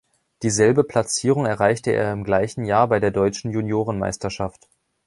Dieselbe Platzierung erreichte er im gleichen Jahr bei der deutschen Junioren-Meisterschaft.